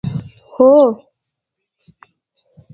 هو.